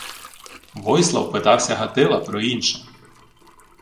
Войслав питався Гатила про інше: